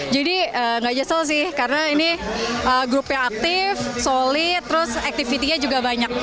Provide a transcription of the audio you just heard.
jadi gak jesel sih karena ini grupnya aktif solid terus activity nya juga banyak